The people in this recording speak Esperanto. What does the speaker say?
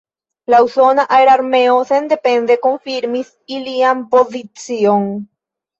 La Usona Aerarmeo sendepende konfirmis ilian pozicion.